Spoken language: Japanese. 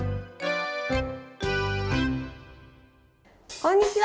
こんにちは。